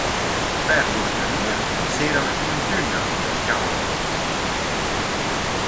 Per l’ustaria pissera la Giuventüna da S-chanf.